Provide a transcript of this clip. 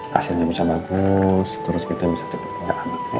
kasihannya bisa bagus terus kita bisa cepat cepat ambil ya